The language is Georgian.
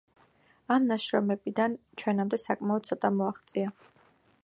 ამ ნაშრომებიდან ჩვენამდე საკმაოდ ცოტამ მოაღწია.